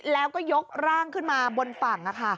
แล้วก็ยกร่างขึ้นมาบนฝั่ง